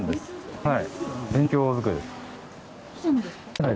はい。